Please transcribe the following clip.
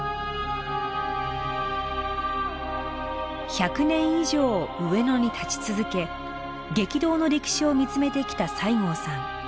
１００年以上上野に立ち続け激動の歴史を見つめてきた西郷さん。